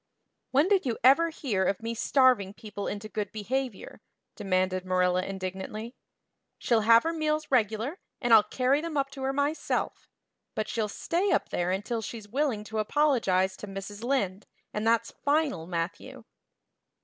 "When did you ever hear of me starving people into good behavior?" demanded Marilla indignantly. "She'll have her meals regular, and I'll carry them up to her myself. But she'll stay up there until she's willing to apologize to Mrs. Lynde, and that's final, Matthew."